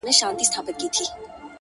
o ټوله وركه يې؛